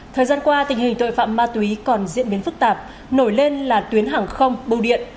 thời gian qua tình hình tội phạm ma túy còn diễn biến phức tạp nổi lên là tuyến hàng không bưu điện